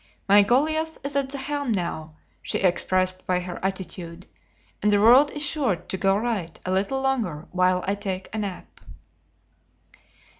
"My Goliath is at the helm now," she expressed by her attitude, "and the world is sure to go right a little longer while I take a nap."